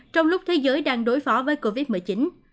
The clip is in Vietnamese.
trong lúc thế giới đang đối phóng với virus covid một mươi chín